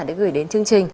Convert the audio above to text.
để gửi đến chương trình